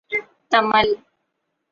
Tamil